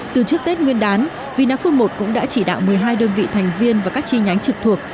từ trước tết nguyên đán vinafood một cũng đã chỉ đạo một mươi hai đơn vị thành viên và các chi nhánh trực thuộc